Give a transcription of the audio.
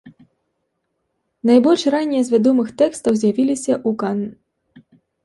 Найбольш раннія з вядомых тэкстаў з'явіліся ў кан.